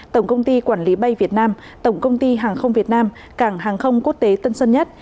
tổng công ty quản lý bay việt nam tổng công ty hàng không việt nam cảng hàng không quốc tế tân sơn nhất